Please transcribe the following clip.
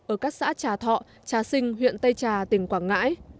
ở các xã trà thọ trà sinh huyện tây trà tỉnh quảng ngãi